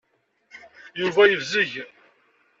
Yuba yebzeg.